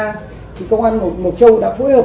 công an mộc châu đã phối hợp